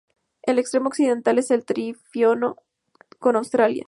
El extremo occidental es el trifinio con Austria.